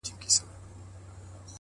د زړه سکون له سم نیت زېږي،